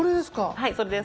はいそれです。